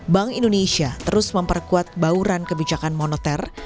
bank indonesia terus memperkuat bauran kebijakan moneter